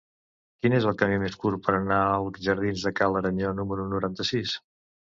Quin és el camí més curt per anar als jardins de Ca l'Aranyó número noranta-sis?